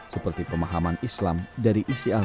seperti pemahaman dan pengertian